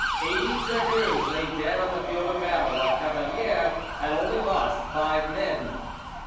Eighty dragoons lay dead on the field of battle, while Cavalier had only lost five men.